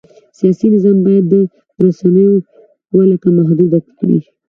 سیاسي نظام باید د رسنیو ولکه محدوده کړي.